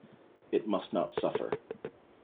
It must not suffer.